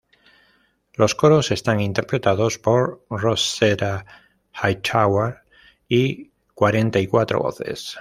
Los coros están interpretados por Rosetta Hightower y cuarenta y cuatro voces.